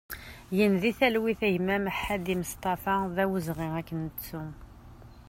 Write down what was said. Gen di talwit a gma Mehadi Mestafa, d awezɣi ad k-nettu!